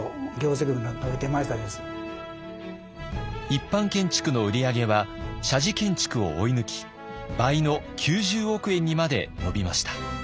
一般建築の売り上げは社寺建築を追い抜き倍の９０億円にまで伸びました。